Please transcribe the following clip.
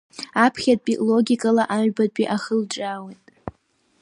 Аԥхьатәи логикала аҩбатәи ахылҿиаауеит.